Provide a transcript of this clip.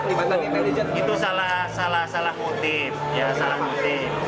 itu salah motif